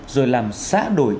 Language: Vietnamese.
rồi làm xã đổi